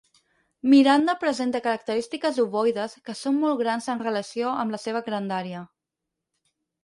Miranda presenta característiques ovoides que són molt grans en relació amb la seva grandària.